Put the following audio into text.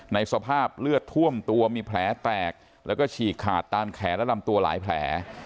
ในสภาพเลือดท่วมตัวมีแผลแตกแล้วก็ฉีกขาดตามแขนและลำตัวหลายแผล